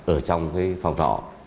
ở trong cái phòng rõ